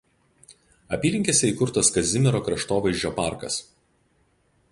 Apylinkėse įkurtas Kazimiero kraštovaizdžio parkas.